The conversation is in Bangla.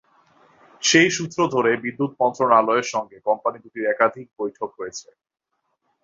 সেই সূত্র ধরে বিদ্যুৎ মন্ত্রণালয়ের সঙ্গে কোম্পানি দুটির একাধিক বৈঠক হয়েছে।